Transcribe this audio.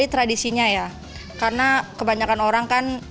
tradisinya ya karena kebanyakan orang kan